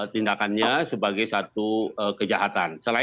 tindakannya sebagai satu kejahatan